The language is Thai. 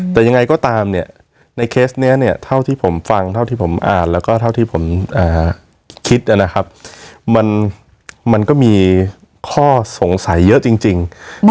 แต่ยังไงก็ตามเนี่ยในเคสนี้เนี่ยเท่าที่ผมฟังเท่าที่ผมอ่านแล้วก็เท่าที่ผมคิดนะครับมันก็มีข้อสงสัยเยอะจริง